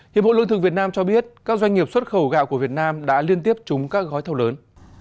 hiệp hội luân thường việt nam cho biết các doanh nghiệp xuất khẩu gạo của việt nam đã liên tiếp trúng các gói thâu lớn